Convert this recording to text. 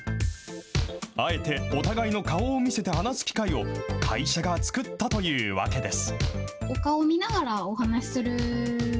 あえて、お互いの顔を見せて話す機会を、会社が作ったというわけです。